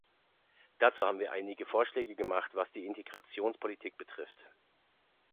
Dazu haben wir einige Vorschläge gemacht, was die Integrationspolitik betrifft.